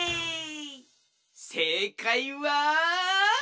せいかいは！